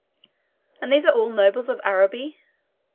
"And these are all nobles of Araby?"